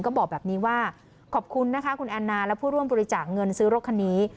ก็บอกแบบนี้ว่าขอบคุณนะคะคุณแอนนาและผู้ร่วมบริจาคเงินซื้อรถคันนี้